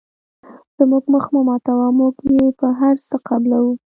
زموږ مخ مه ماتوه موږ یې په هر څه قبلوو.